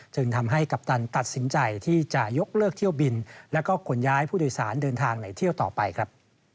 จึงทำให้กัปตันตัดสินใจที่จะยกเลิกเที่ยวบินแล้วก็ขนย้ายผู้โดยสารเดินทางไหนเที่ยวต่อไปครับ